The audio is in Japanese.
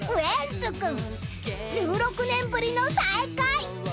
［１６年ぶりの再会］